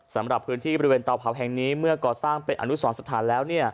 สำหรับพื้นที่บริเวณเตาเผาแห่งนี้เมื่อก่อสร้างเป็นอนุสรสถานแล้ว